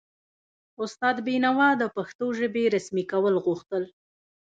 استاد بینوا د پښتو ژبې رسمي کول غوښتل.